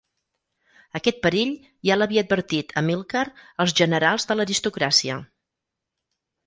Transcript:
Aquest perill ja l'havia advertit Amílcar als generals de l'aristocràcia.